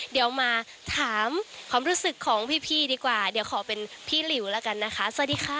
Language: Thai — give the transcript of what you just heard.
เดี๋ยวมาถามความรู้สึกของพี่ดีกว่าเดี๋ยวขอเป็นพี่หลิวแล้วกันนะคะสวัสดีค่ะ